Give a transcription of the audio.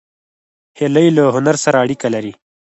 هیلۍ له هنر سره اړیکه لري